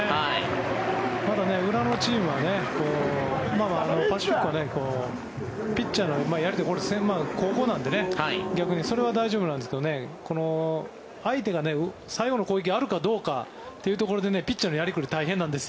まだ、裏のチームはパシフィックは後攻なので逆にそれは大丈夫なんですけどね相手が最後の攻撃あるかどうかというところでピッチャーのやりくり大変なんです。